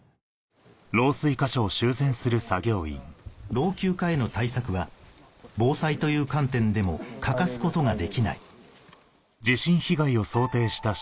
老朽化への対策は防災という観点でも欠かすことができない